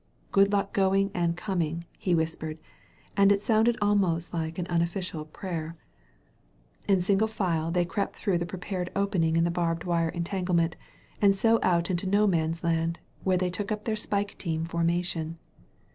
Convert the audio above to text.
"Good luck going and coming," he whis pered; and it sounded almost like an unofficial prayer. 152 THE HEARING EAR In single file they crept through the prepared opening in the barbed wire entanglement, and so out into No Man's Land, where they took up their spike team formation.